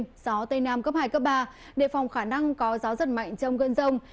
gió tây nam cấp hai ba đề phòng khả năng có gió rất mạnh trong gân rông